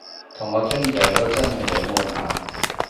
同我傾偈都真係幾悶下